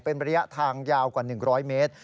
เป็นระยะทางยาวกว่า๑๐๐เมตร